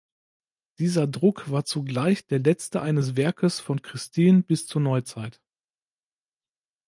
Dieser Druck war zugleich der letzte eines Werkes von Christine bis zur Neuzeit.